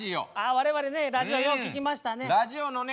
我々ねラジオよう聴きましたね。